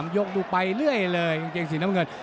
ยกดูไปเรื่อยเลยกางเกงสีน้ำเงิน